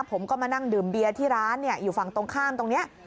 ผมก็มานั่งดื่มเบียร์ที่ร้านอยู่ฝั่งตรงข้ามตรงนี้